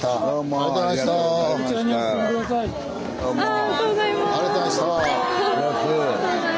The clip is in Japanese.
ありがとうございます。